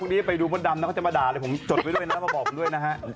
นี้ไปดูมดดำนะเขาจะมาด่าเลยผมจดไว้ด้วยนะมาบอกผมด้วยนะฮะ